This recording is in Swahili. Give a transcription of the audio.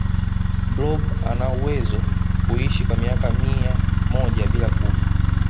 blob anawezo kuishi kwa miaka mia moja bila kufa